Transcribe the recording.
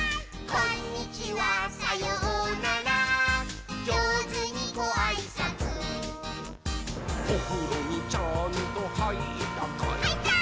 「こんにちはさようならじょうずにごあいさつ」「おふろにちゃんとはいったかい？」はいったー！